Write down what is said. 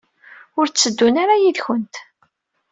Ur tteddun ara yid-kent?